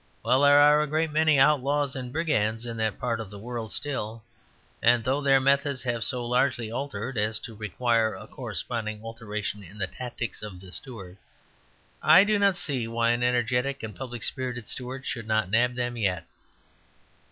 Well, there are a great many outlaws and brigands in that part of the world still, and though their methods have so largely altered as to require a corresponding alteration in the tactics of the Steward, I do not see why an energetic and public spirited Steward should not nab them yet.